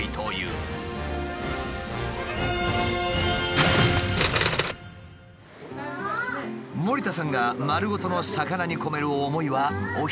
森田さんが丸ごとの魚に込める思いはもう一つある。